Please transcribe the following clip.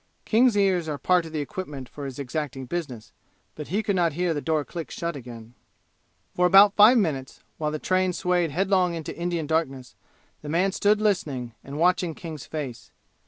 King's ears are part of the equipment for his exacting business, but he could not hear the door click shut again. For about five minutes, while the train swayed head long into Indian darkness, the man stood listening and watching King's face.